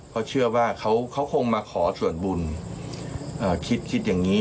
เขาเชื่อว่าเขาคงมาขอส่วนบุญคิดคิดอย่างนี้